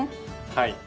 はい。